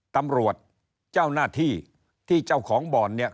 เจ้าหน้าที่ที่เจ้าของบ่อนเนี่ย